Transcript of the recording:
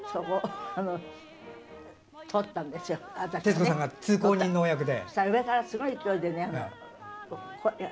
徹子さんが通行人のお役で。